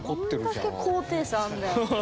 うわどんだけ高低差あんだよ。